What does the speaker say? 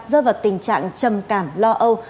rơi vào tình trạng trầm cảm lo âu